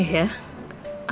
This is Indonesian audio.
kok alesan al aneh ya